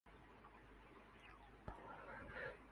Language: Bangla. কিন্তু যা এখন আধুনিক আফ্রিকার উৎপত্তির সাথে হারিয়ে গেছে।